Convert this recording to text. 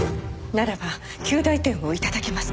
ならば及第点を頂けますか？